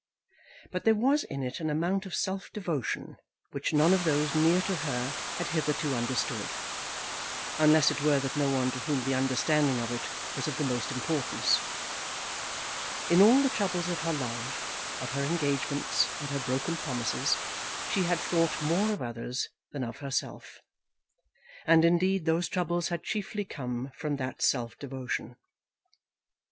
But there was in it an amount of self devotion which none of those near to her had hitherto understood, unless it were that one to whom the understanding of it was of the most importance. In all the troubles of her love, of her engagements, and her broken promises, she had thought more of others than of herself, and, indeed, those troubles had chiefly come from that self devotion.